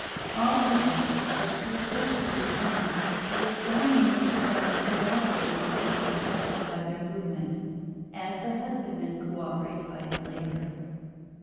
Although as Chrysostom remarks (Hom. vi in Gen.), the sun, moon, and stars cooperate in the work of production by their movements, as the husbandman cooperates by his labor.